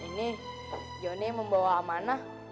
ini jonny membawa amanah